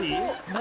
何？